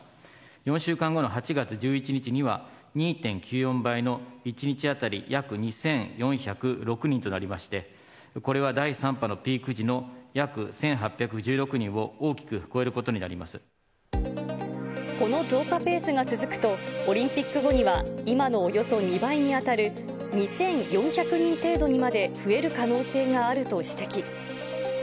４週間後の８月１１日には２．９４倍の１日当たり約２４０６人となりまして、これは第３波のピーク時の約１８１６人を大きく超この増加ペースが続くと、オリンピック後には、今のおよそ２倍に当たる２４００人程度にまで増える可能性があると指摘。